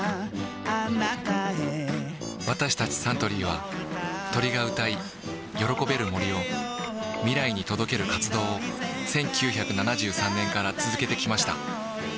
私たちサントリーは鳥が歌い喜べる森を未来に届ける活動を１９７３年から続けてきました